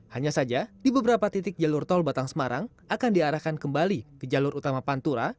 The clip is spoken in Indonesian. hanya saja di beberapa titik jalur tol batang semarang akan diarahkan kembali ke jalur utama pantura